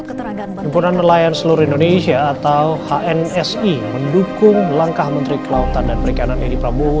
kumpulan nelayan seluruh indonesia atau hnsi mendukung langkah menteri kelewatan dan perikanan edi pramowo